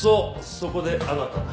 そこであなただ。